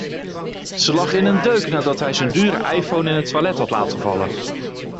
Ze lag in een deuk nadat hij zijn dure iPhone in het toilet had laten vallen.